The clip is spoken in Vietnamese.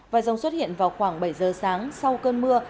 vòi rồng xuất hiện vào khoảng bảy giờ sáng sau cơn mưa